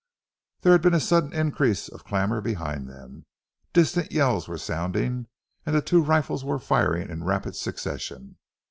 There had been a sudden increase of clamour behind them. Distant yells were sounding, and the two rifles were firing in rapid succession.